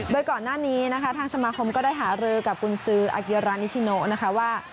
โดยก่อนหน้านี้นะคะทางสมาคมก็ได้หารือกับกุญซืออาเกียรานิชิโนนะคะว่า